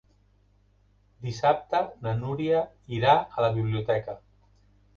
Dissabte na Núria irà a la biblioteca.